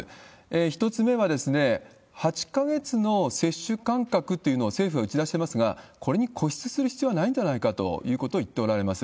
１つ目は、８か月の接種間隔というのを政府が打ち出してますが、これに固執する必要はないんじゃないかということを言っておられます。